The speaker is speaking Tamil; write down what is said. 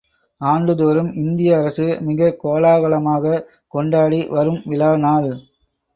ஆண்டுதோறும் இந்திய அரசு மிகக் கோலாகலமாக கொண்டாடி வரும் விழா நாள்.